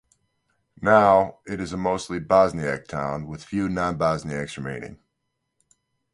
Now, it is a mostly Bosniak town, with few non-Bosniaks remaining.